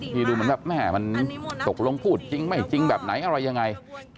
ที่ดูแบบมันตกลงพูดจริงไม่จริงแบบไหนอะไรยังไง